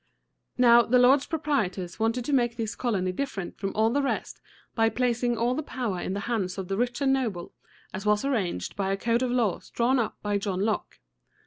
Now, the lords proprietors wanted to make this colony different from all the rest by placing all the power in the hands of the rich and noble, as was arranged by a code of laws drawn up by John Locke.